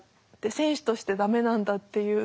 選手としてダメなんだっていう